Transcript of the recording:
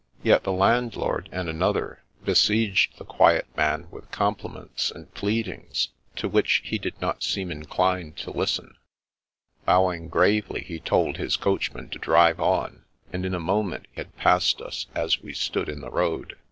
Yet the landlord and another besieged the quiet man ^ I 2IO The Princess Passes with compliments and pleadings, to which he did not seem inclined to listen. Bowing gravely, he told his coachman to drive on, and in a moment had passed us as we stood in the road.